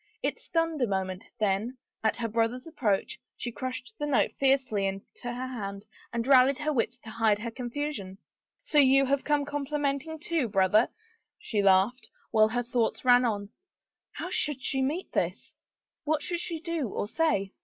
It stunned a moment, then, at her brother's approach, she crushed the note fiercely into her hand and rallied her wits to hide their confusion. "So you have come complimenting, too, brother?" 59 THE FAVOR OF KINGS she laughed, while her thoughts ran on — how should she meet this? What should she do or say?